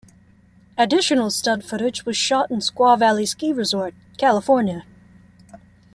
Additional stunt footage was shot in Squaw Valley Ski Resort, California.